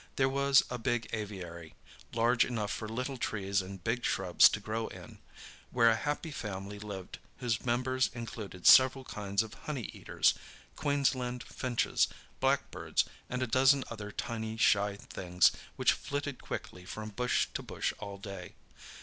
There was a big aviary, large enough for little trees and big shrubs to grow in, where a happy family lived whose members included several kinds of honey eaters, Queensland finches, blackbirds and a dozen other tiny shy things which flitted quickly from bush to bush all day.